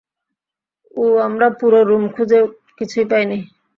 উ আমরা পুরো রুম খুঁজে কিছুই পাইনি।